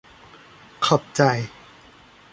ขอบใจ